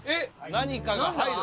何かが入る。